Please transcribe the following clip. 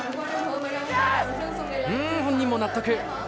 本人も納得。